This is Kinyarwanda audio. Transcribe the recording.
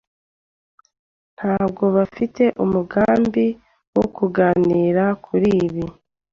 Ntabwo mfite umugambi wo kuganira kuri ibi.